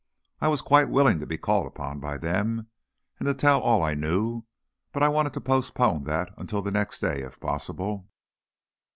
I was quite willing to be called upon by them, and to tell all I knew, but I wanted to postpone that until the next day, if possible.